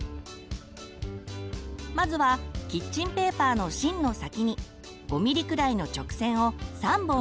まずはキッチンペーパーの芯の先に５ミリくらいの直線を３本引きます。